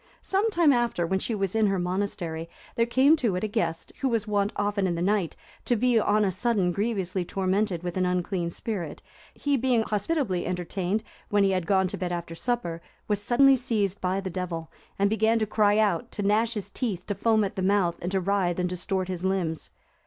Some time after, when she was in her monastery, there came to it a guest, who was wont often in the night to be on a sudden grievously tormented with an unclean spirit; he being hospitably entertained, when he had gone to bed after supper, was suddenly seized by the Devil, and began to cry out, to gnash his teeth, to foam at the mouth, and to writhe and distort his limbs.